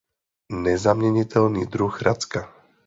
Nezaměnitelný druh racka.